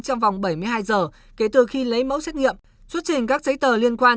trong vòng bảy mươi hai giờ kể từ khi lấy mẫu xét nghiệm xuất trình các giấy tờ liên quan